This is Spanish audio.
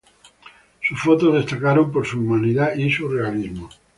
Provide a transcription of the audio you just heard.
Sus fotos destacaron por su humanidad y su realismo.